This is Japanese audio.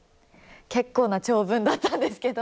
結構な長文だったんですけど。